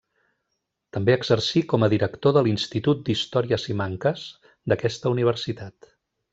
També exercí com a director de l'Institut d'Història Simancas d'aquesta universitat.